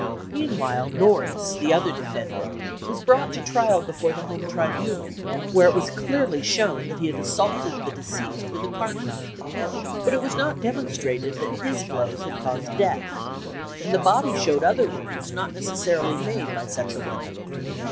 Meanwhile Norris, the other defendant, was brought to trial before the home tribunal, where it was clearly shown that he had assaulted the deceased with a cart rung; but it was not demonstrated that his blows had caused death, and the body showed other wounds not necessarily made by such a weapon.